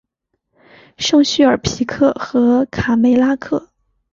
圣叙尔皮克和卡梅拉克。